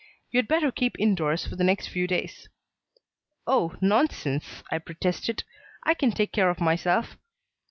You had better keep indoors for the next few days." "Oh, nonsense," I protested. "I can take care of myself."